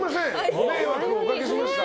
ご迷惑をおかけしました。